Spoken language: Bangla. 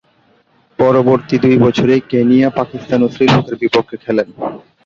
পরবর্তী দুই বছরে কেনিয়া, পাকিস্তান ও শ্রীলঙ্কার বিপক্ষে খেলেন।